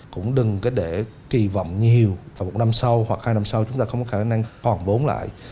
cũng đừng để kỳ vọng nhiều vào một năm sau hoặc hai năm sau chúng ta không có khả năng hoàn vốn lại